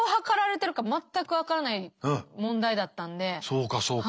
そうかそうか。